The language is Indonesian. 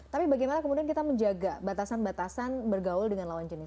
tapi bagaimana kemudian kita menjaga batasan batasan bergaul dengan lawan jenis